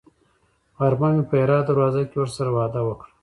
غرمه مې په هرات دروازه کې ورسره وعده وکړه.